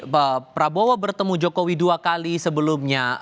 pak prabowo bertemu jokowi dua kali sebelumnya